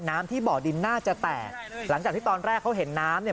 น้ำที่บ่อดินน่าจะแตกหลังจากที่ตอนแรกเขาเห็นน้ำเนี่ย